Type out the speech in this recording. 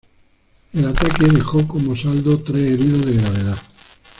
El ataque dejó como saldo tres heridos de gravedad.